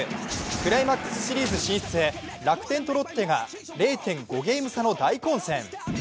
クライマックスシリーズ進出へ楽天とロッテが０．５ゲーム差の大混戦。